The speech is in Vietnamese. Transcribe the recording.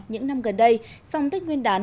những năm gần đây song tết nguyên đán